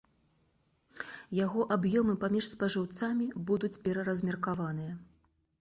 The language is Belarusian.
Яго аб'ёмы паміж спажыўцамі будуць пераразмеркаваныя.